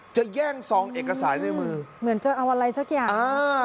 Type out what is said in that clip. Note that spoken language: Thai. แย่งซองเอกสารในมือเหมือนจะเอาอะไรสักอย่างอ่า